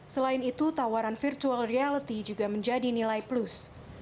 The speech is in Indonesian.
selain itu tawaran virtual reality juga menjadi nilai plus